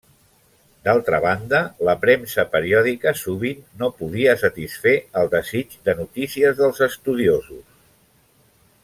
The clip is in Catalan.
D'altra banda, la premsa periòdica sovint no podia satisfer el desig de notícies dels estudiosos.